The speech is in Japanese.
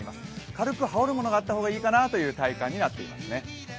軽く羽織るものがあった方がいいかなという体感になっていますね。